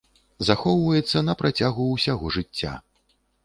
Захоўваецца на працягу ўсяго жыцця.